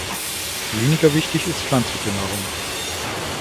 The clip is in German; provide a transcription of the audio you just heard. Weniger wichtig ist pflanzliche Nahrung.